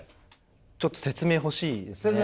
ちょっと説明欲しいですね。